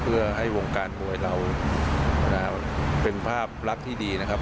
เพื่อให้วงการมวยเราเป็นภาพลักษณ์ที่ดีนะครับ